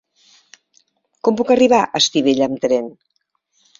Com puc arribar a Estivella amb tren?